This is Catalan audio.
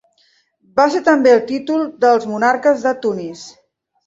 Va ser també el títol dels monarques de Tunis.